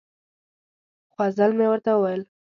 څو ځل مې ورته وویل.